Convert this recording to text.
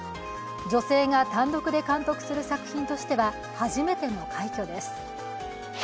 女性が単独で監督する作品としては初めての快挙です。